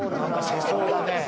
世相だね。